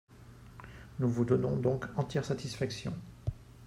Nous vous donnons donc entière satisfaction.